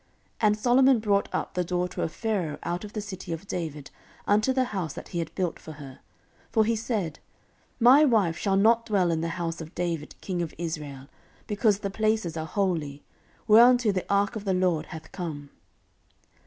14:008:011 And Solomon brought up the daughter of Pharaoh out of the city of David unto the house that he had built for her: for he said, My wife shall not dwell in the house of David king of Israel, because the places are holy, whereunto the ark of the LORD hath come.